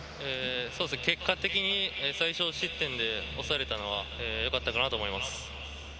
結果的に最少失点で抑えられたのは、よかったかなと思います。